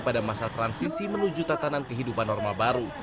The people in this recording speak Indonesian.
pada masa transisi menuju tatanan kehidupan normal baru